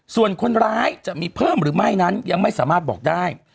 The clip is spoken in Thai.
ส่วนคนร้ายจะมีเพิ่มหรือไม่นั้นยังไม่สามารถบอกได้